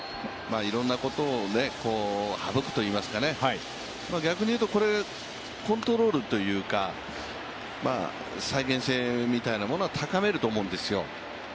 いろんなことを省くといいますか逆に言うと、コントロールというか再現性みたいなものを高めるとおムンですよ。